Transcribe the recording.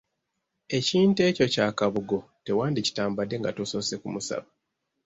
Ekintu ekyo kya Kabugo tewandikitambadde nga tosoose kumusaba.